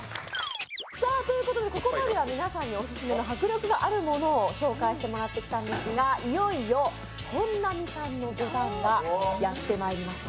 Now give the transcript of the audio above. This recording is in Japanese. ここまでは皆さんにオススメの迫力のあるものを紹介してもらってたんですが、いよいよ本並さんの出番がやってまいりました。